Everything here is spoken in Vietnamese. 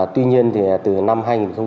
tuy nhiên thì từ năm hai nghìn một mươi sáu